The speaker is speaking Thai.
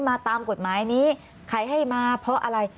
มาตามกฎหมายนี้ใครให้มาเพราะอะไร